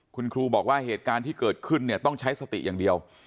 คุณครูบอกว่าเหตุการณ์ที่เกิดขึ้นเนี่ยต้องใช้สติอย่างเดียว